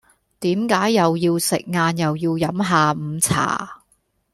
點解又要食晏又要飲下午茶